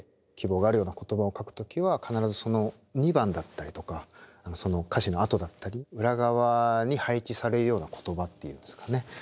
希望があるような言葉を書く時は必ずその２番だったりとかその歌詞のあとだったり裏側に配置されるような言葉っていうんですかね。